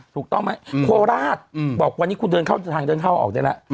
ถูกต้องไหมโคลระดบอกวันนี้คุณเดินทางเดินทางออกได้ล่ะ